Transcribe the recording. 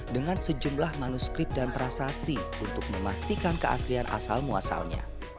dengan sejumlah manuskrip dan prasasti untuk memastikan keaslian asal muasalnya